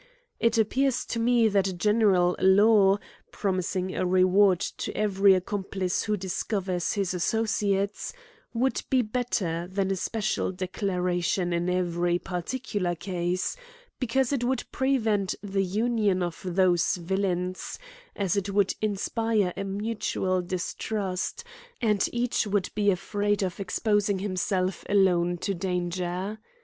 It appears to me that a general law, promising a reward to every accom plice who discovers his associates, would be bet ter than a special declaration in every particular case ; because it would prevent the union of those villains, as it would inspire a mutual distrust, and each would be afraid of exposing himself alone to danger.